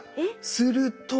すると。